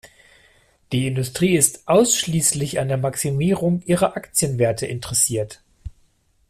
Die Industrie ist ausschließlich an der Maximierung ihrer Aktienwerte interessiert.